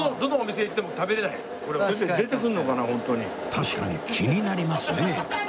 確かに気になりますねえ